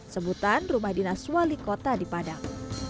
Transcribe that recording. sebutan rumah dinas wali kota di padang